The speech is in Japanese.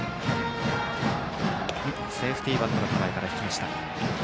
セーフティーバントの構えから引きました。